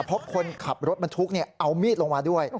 เพราะคนขับรถบรรทุกเอามีดลงมาด้วย